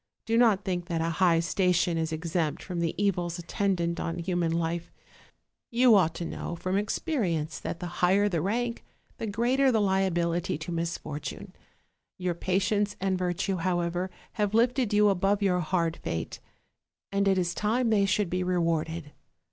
Do not think that a high station is exempt from the evils attendant on humaa life: you OLD, OLD FAIRY TALES. 301 ought to know from experience that the higher the rank, the greater the liability to misfortune; your pa tience and virtue, however, have lifted you above your hard fate; and it is time they should be rewarded.